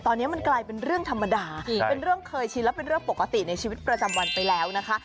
ตอนนี้มันกลายเป็นเรื่องธรรมดาเป็นเรื่องเคยชินแล้วเป็นเรื่องปกติในชีวิตประจำวันไปแล้วนะคะ